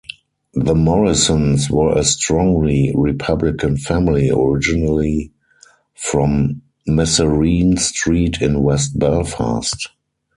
The Morrisons were a strongly republican family originally from Massereene Street in West Belfast.